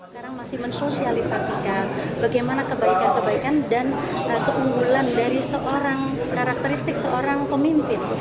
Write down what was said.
sekarang masih mensosialisasikan bagaimana kebaikan kebaikan dan keunggulan dari seorang karakteristik seorang pemimpin